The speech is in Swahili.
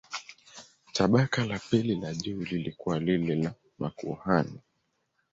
Tabaka la pili la juu lilikuwa lile la makuhani.